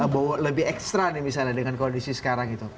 prabowo lebih ekstra nih misalnya dengan kondisi sekarang gitu